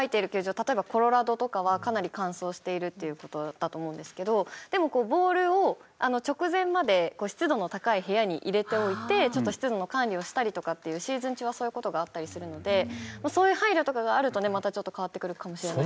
例えばコロラドとかはかなり乾燥しているっていう事だと思うんですけどでもボールを直前まで湿度の高い部屋に入れておいて湿度の管理をしたりとかっていうシーズン中はそういう事があったりするのでそういう配慮とかがあるとねまたちょっと変わってくるかもしれない。